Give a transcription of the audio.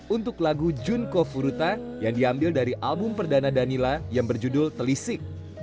untuk lagu junko furuta yang diambil dari album perdana danila yang berjudul telisik